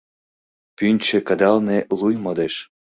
Пӱнчӧ кыдалне луй модеш.